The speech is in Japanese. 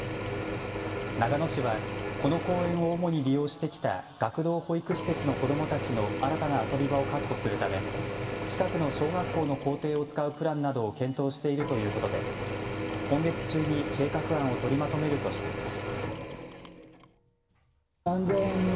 長野市はこの公園を主に利用してきた学童保育施設の子どもたちの新たな遊び場を確保するため近くの小学校の校庭を使うプランなどを検討しているということで今月中に計画案を取りまとめるとしています。